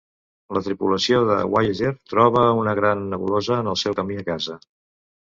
La tripulació de "Voyager" troba una gran nebulosa en el seu camí a casa.